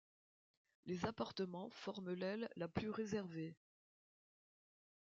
Les appartements forment l’aile la plus réservée.